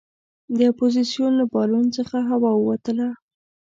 د اپوزیسون له بالون څخه هوا ووتله.